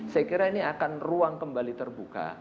saya kira ini akan ruang kembali terbuka